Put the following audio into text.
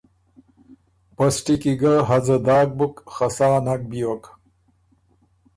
پسټی کی ګۀ هځه داک بُک، خه سا نک بیوک،